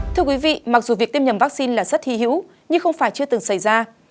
thưa quý vị mặc dù việc tiêm nhầm vaccine là rất thi hữu nhưng không phải chưa từng xảy ra